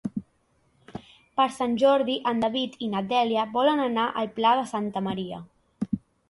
Per Sant Jordi en David i na Dèlia volen anar al Pla de Santa Maria.